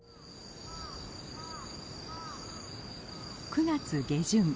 ９月下旬。